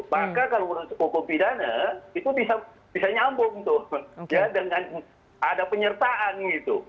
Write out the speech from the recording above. maka kalau menurut hukum pidana itu bisa nyambung tuh ya dengan ada penyertaan gitu